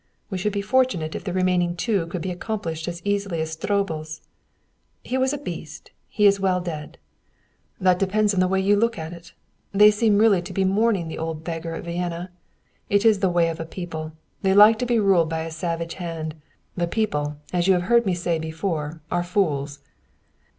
We should be fortunate if the remaining two could be accomplished as easily as Stroebel's." "He was a beast. He is well dead." "That depends on the way you look at it. They seem really to be mourning the old beggar at Vienna. It is the way of a people. They like to be ruled by a savage hand. The people, as you have heard me say before, are fools."